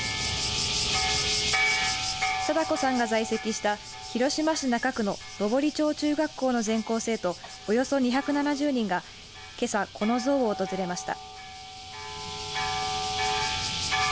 禎子さんが在籍した広島市中区の幟町中学校の全校生徒およそ２７０人がけさ、この像を訪れました。